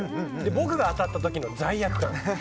僕が当たった時の罪悪感。